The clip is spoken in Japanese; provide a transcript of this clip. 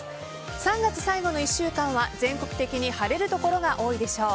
３月最後の１週間は全国的に晴れる所が多いでしょう。